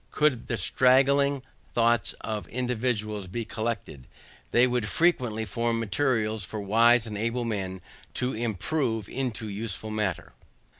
Could the straggling thoughts of individuals be collected, they would frequently form materials for wise and able men to improve into useful matter.